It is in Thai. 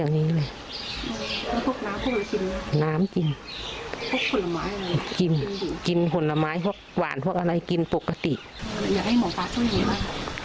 อยากให้หมอปลาช่วยเหลือบ้าง